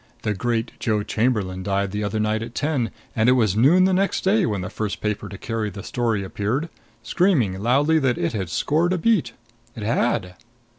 The great Joe Chamberlain died the other night at ten, and it was noon the next day when the first paper to carry the story appeared screaming loudly that it had scored a beat. It had.